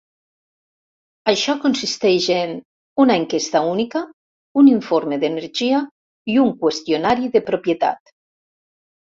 Això consisteix en: una enquesta única, un informe d'energia i un qüestionari de propietat.